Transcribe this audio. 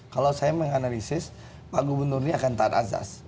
kalau saya menganalisis pak gubernurnya akan taat azas